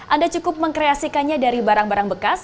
anda cukup mengkreasikannya dari barang barang bekas